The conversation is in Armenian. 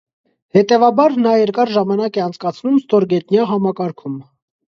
Հետևաբար՝ նա երկար ժամանակ է անցկացնում ստորգետնյա համակարգում։